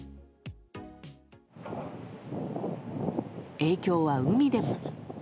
影響は海でも。